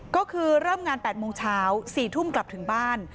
ก็คือเริ่มงาน๘โมงเช้า๔ทุ่มกลับถึงบ้าน